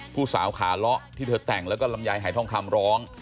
ผู้สาวขาเลาะที่เธอแต่งแล้วก็ลำไยหายทองคำร้อง